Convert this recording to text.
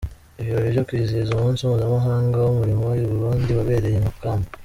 Ibirori byo kwizihiza umunsi mpuzamahanga w’Umurimo i Burundi wabereye i Makamba.